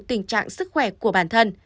tình trạng sức khỏe của bản thân